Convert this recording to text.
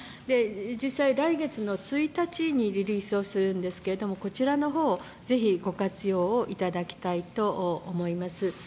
実際、来月１日にリリースするんですけれども、こちらの方をぜひご活用いただきたいと思います。